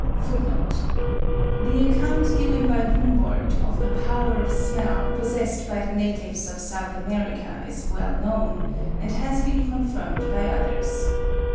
(36. The account given by Humboldt of the power of smell possessed by the natives of South America is well known, and has been confirmed by others.